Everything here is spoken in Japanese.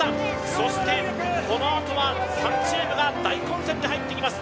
そしてこのあとは３チームが大混戦で入ってきます